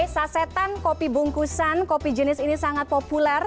sasetan kopi bungkusan kopi jenis ini sangat populer